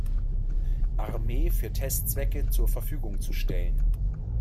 Armee für Testzwecke zur Verfügung zu stellen.